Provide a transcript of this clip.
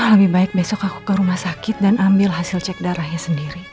lebih baik besok aku ke rumah sakit dan ambil hasil cek darahnya sendiri